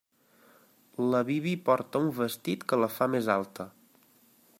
La Bibi porta un vestit que la fa més alta.